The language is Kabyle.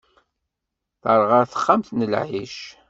Terɣa texxamt n lɛic.